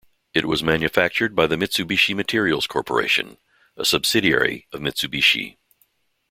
It was manufactured by the Mitsubishi Materials Corporation, a subsidiary of Mitsubishi.